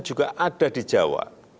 bisa ada di jawa